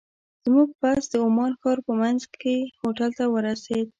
زموږ بس د عمان ښار په منځ کې هوټل ته ورسېد.